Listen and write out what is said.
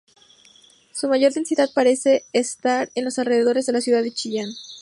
Su mayor densidad parece estar en los alrededores de la ciudad de Chillán.